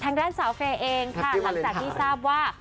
ทางด้านสาวเฟย์เองค่ะหลังจากที่ทราบว่า